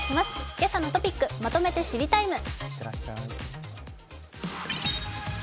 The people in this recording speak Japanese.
「けさのトピックまとめて知りＴＩＭＥ，」。